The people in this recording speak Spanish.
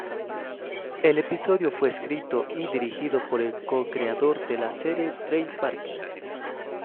El episodio fue escrito y dirigido por el co-creador de la serie Trey Parker.